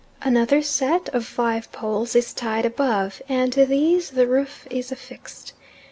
Another set of five poles is tied above, and to these the roof is affixed.